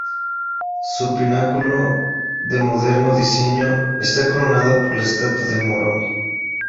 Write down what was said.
Su pináculo, de moderno diseño, está coronado por la estatua de Moroni.